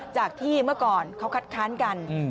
จากที่เมื่อก่อนเขาคัดค้านกัน